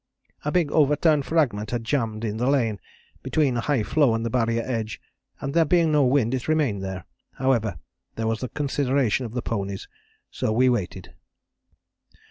A big overturned fragment had jambed in the lane, between a high floe and the Barrier edge, and, there being no wind, it remained there. However, there was the consideration of the ponies, so we waited.